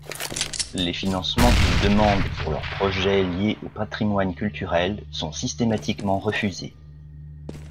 Les financements qu'ils demandent pour leurs projets liés au patrimoine culturel sont systématiquement refusés.